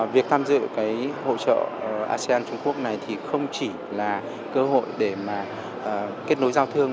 việc tham dự cái hỗ trợ asean trung quốc này thì không chỉ là cơ hội để mà kết nối giao thương